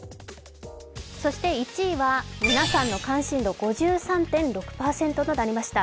１位は皆さんの関心度５３．６％となりました。